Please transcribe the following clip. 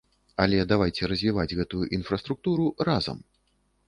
Але давайце развіваць гэтую інфраструктуру разам.